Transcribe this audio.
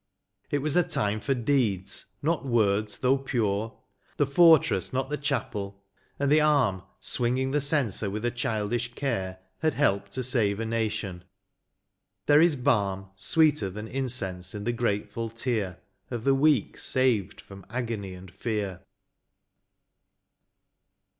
It was a time for deeds, not words though pure. The fortress, not the chapel; and the arm Swinging the censor with a childish care, Had helped to save a nation ; there is balm Sweeter than incense in the gratefiil tear Of the weak saved from agony and fear.